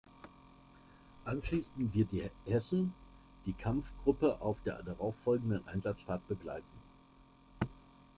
Anschließend wird die "Hessen" die Kampfgruppe auf der darauf folgenden Einsatzfahrt begleiten.